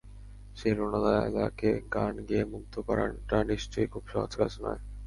সেই রুনা লায়লাকে গান গেয়ে মুগ্ধ করাটা নিশ্চয়ই খুব সহজ কাজ নয়।